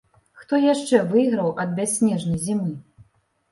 Хто яшчэ выйграў ад бясснежнай зімы?